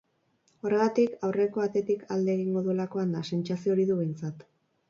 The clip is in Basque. Horregatik, aurreko atetik alde egingo duelakoan da, sentsazio hori du behintzat.